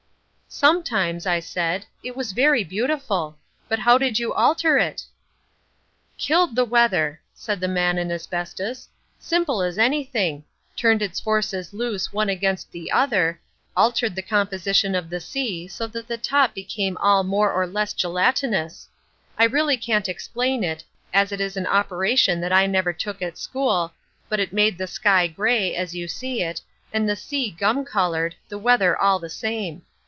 "Sometimes," I said, "it was very beautiful. But how did you alter it?" "Killed the weather!" answered the Man in Asbestos. "Simple as anything—turned its forces loose one against the other, altered the composition of the sea so that the top became all more or less gelatinous. I really can't explain it, as it is an operation that I never took at school, but it made the sky grey, as you see it, and the sea gum coloured, the weather all the same.